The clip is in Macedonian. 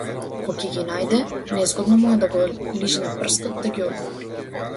Ко ќе ги најде, незгодно му е да го лижне прстот да ги отвори.